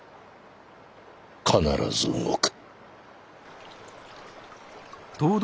必ず動く。